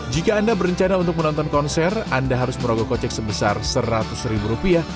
jika anda berencana untuk menonton konser anda harus merogoh kocek sebesar seratus ribu rupiah